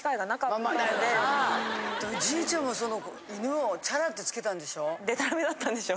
じいちゃんはその犬をチャラってつけたんでしょ？